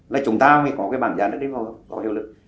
là chúng ta mới có bảng giá đất đi vào hiệu lực